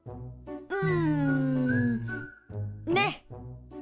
うんねっ！